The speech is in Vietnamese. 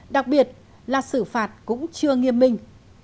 đặc biệt là xử phạt cũng chưa nghiêm minh